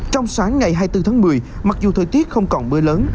trong sáng ngày hai mươi bốn tháng một mươi mặc dù thời tiết không còn mưa lớn